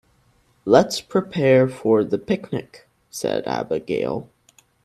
"Let's prepare for the picnic!", said Abigail.